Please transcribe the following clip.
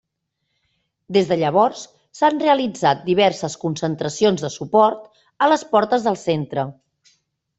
Des de llavors s'han realitzat diverses concentracions de suport a les portes del centre.